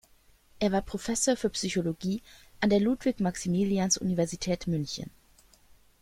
Er war Professor für Psychologie an der Ludwig-Maximilians-Universität München.